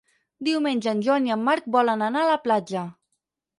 Diumenge en Joan i en Marc volen anar a la platja.